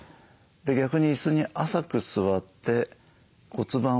逆に椅子に浅く座って骨盤を立てる。